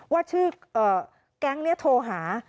ว่าชื่อแก๊งนี้โทรหา